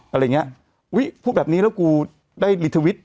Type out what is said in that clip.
อะไรอย่างเงี้ยอุ้ยพูดแบบนี้แล้วกูได้รีทวิต